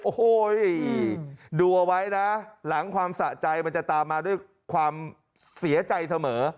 โอ้โหดูเอาไว้นะหลังความสะใจมันจะตามมาด้วยความเสียใจเสมอ